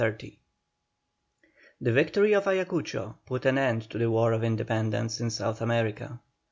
1824 1830. The victory of Ayacucho put an end to the War of Independence in South America.